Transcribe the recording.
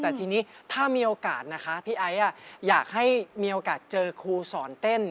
แต่ทีนี้ถ้ามีโอกาสนะคะพี่ไอซ์อยากให้มีโอกาสเจอครูสอนเต้น